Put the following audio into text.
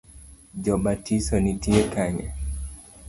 Jobatiso nitie kanye.